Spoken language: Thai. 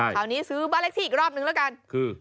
คราวนี้ซื้อบาร์เล็กที่อีกรอบหนึ่งแล้วกัน